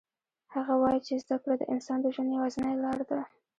هغه وایي چې زده کړه د انسان د ژوند یوازینی لار ده